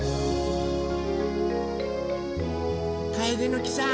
カエデの木さん